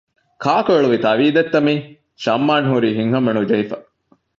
ކާކު އެޅުވި ތަވިދެއްތަ މިއީ ޝަމްއާން ހުރީ ހިތްހަމަ ނުޖެހިފަ